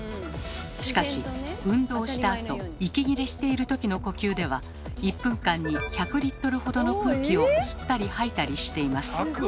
しかし運動したあと息切れしているときの呼吸では１分間に１００リットルほどの空気を吸ったり吐いたりしています。